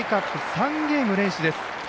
３ゲーム連取です。